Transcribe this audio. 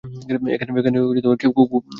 এখানে কেউ কেউ খুব উৎসাহী।